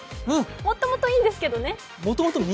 もともといいんですけれどもね。